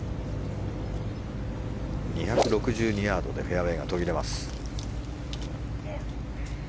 ２６２ヤードでフェアウェーが途切れます。